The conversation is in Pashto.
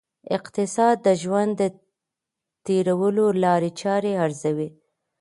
اقتصاد د ژوند د تېرولو لاري چاري ارزوي.